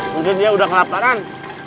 mungkin dia udah kelaparan